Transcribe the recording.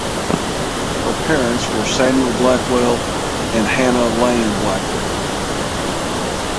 Her parents were Samuel Blackwell and Hannah (Lane) Blackwell.